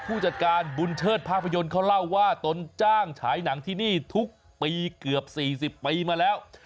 ผู้จัดการบุญเชิดภาพยนตร์เขาเล่าว่าตนจ้างฉายหนังที่นี่ทุกปีเกือบ๔๐ปีมาแล้ว